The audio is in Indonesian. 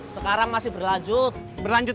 sekarang masih berlanjut